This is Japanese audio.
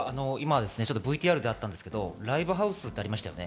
ＶＴＲであったんですけどライブハウスってありましたね。